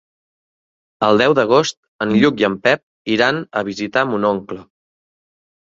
El deu d'agost en Lluc i en Pep iran a visitar mon oncle.